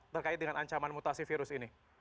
terkait dengan ancaman mutasi virus ini